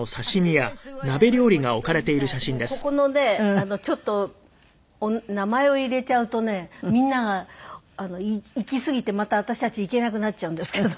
ここのねちょっと名前を入れちゃうとねみんなが行きすぎてまた私たち行けなくなっちゃうんですけど。